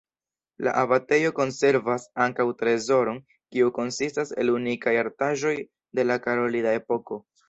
La abatejo konservas ankaŭ trezoron kiu konsistas el unikaj artaĵoj de la karolida epoko.